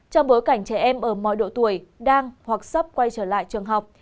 trong bối cảnh trẻ em ở mọi độ tuổi đang hoặc sắp quay trở lại trường học